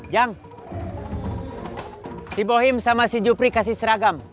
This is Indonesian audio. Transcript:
yang si bohim sama si jupri kasih seragam